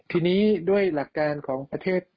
ทีนี้ด้วยหลักการของประเทศ